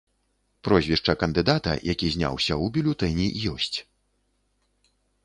Прозвішча кандыдата, які зняўся, у бюлетэні ёсць.